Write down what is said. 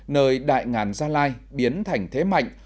nơi đại ngàn gia lai biến thành thế mạnh